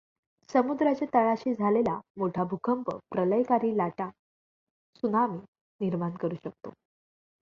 समुद्राच्या तळाशी झालेला मोठा भूकंप प्रलयंकारी लाटा त्सुनामी निर्माण करू शकतो.